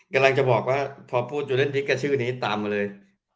ก๋าลังจะบอกพอพูดจูเลนทริกกับชื่อนี้ตามมาเลย